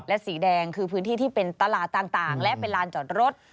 และสีแดงคือพื้นที่ที่เป็นตลาดต่างและเป็นลานจอดรถ